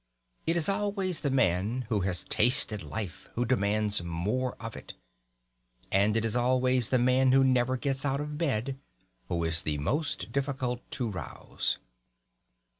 It is always the man who has tasted life who demands more of it. And it is always the man who never gets out of bed who is the most difficult to rouse.